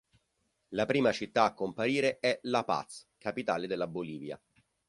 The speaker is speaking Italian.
La prima città a comparire è La Paz, capitale della Bolivia.